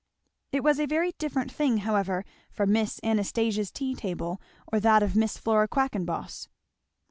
It was a very different thing however from Miss Anastasia's tea table or that of Miss Flora Quackenboss.